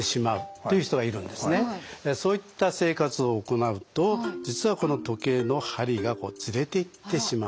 そういった生活を行うと実はこの時計の針がこうズレていってしまうんですね